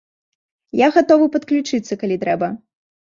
Я гатовы падключыцца, калі трэба.